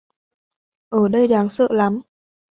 Ở đây đáng sợ lắm